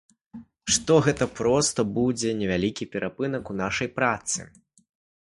Што гэта проста будзе невялікі перапынак у нашай працы.